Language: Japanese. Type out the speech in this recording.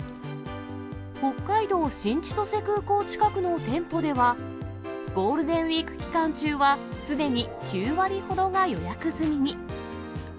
北海道新千歳空港近くの店舗では、ゴールデンウィーク期間中はすでに９割ほどが予約済みに。